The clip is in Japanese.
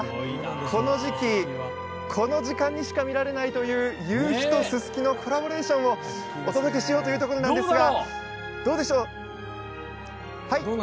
この時期、この時間にしか見られないという夕日とススキのコラボレーションをお届けしようというところなんですが。